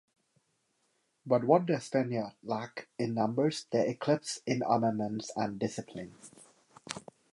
But what the Spaniards lacked in numbers they eclipsed in armaments and discipline.